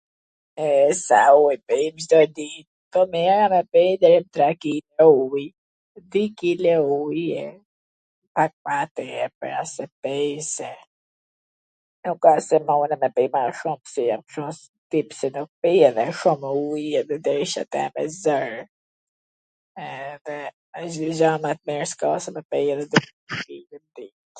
E, sa uj pi Cdo dit, po mir e pi deri tre kile uj, dy kile uj e pak ma tepwr as e pij se nuk asht se mundem me pi ma shum, se do pij edhe shum ujw edhe me zor..